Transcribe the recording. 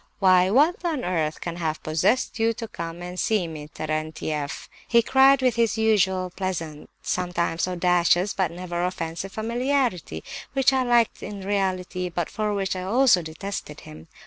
"'Why, what on earth can have possessed you to come and see me, Terentieff?' he cried, with his usual pleasant, sometimes audacious, but never offensive familiarity, which I liked in reality, but for which I also detested him.